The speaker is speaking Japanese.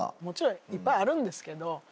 もちろんいっぱいあるんですけど。